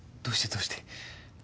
どうして？